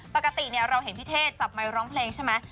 ปกติเราเห็นพี่เท่จับไมค์ร้องเพลงใช่ไหม